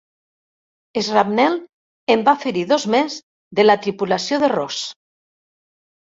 Shrapnel en va ferir dos més de la tripulació de "Ross".